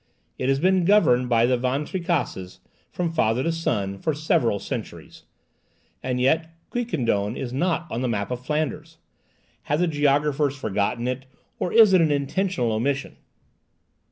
It has been governed by the Van Tricasses, from father to son, for several centuries. And yet Quiquendone is not on the map of Flanders! Have the geographers forgotten it, or is it an intentional omission?